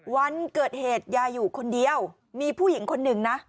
วันเกิดเหตุยายอยู่คนเดียวมีผู้หญิงคนหนึ่งนะ